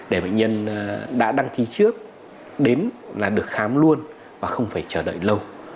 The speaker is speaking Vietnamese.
để bệnh nhân đã đăng ký trước đến là được khám luôn và không phải chờ đợi lâu